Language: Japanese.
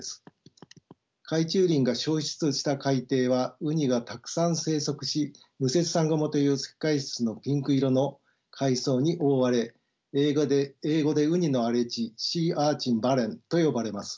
海中林が消失した海底はウニがたくさん生息し無節サンゴモという石灰質のピンク色の海藻に覆われ英語でウニの荒れ地ｓｅａｕｒｃｈｉｎｂａｒｒｅｎと呼ばれます。